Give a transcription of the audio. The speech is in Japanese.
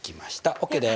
ＯＫです。